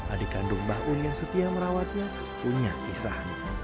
adik kandung mbah un yang setia merawatnya punya kisah